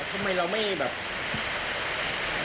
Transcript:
ทำไมเราไม่แบบ